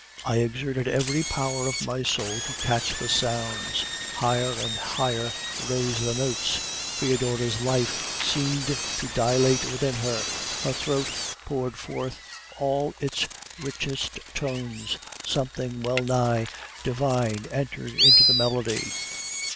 "I exerted every power of my soul to catch the sounds. Higher and higher rose the notes; Foedora's life seemed to dilate within her; her throat poured forth all its richest tones; something well nigh divine entered into the melody.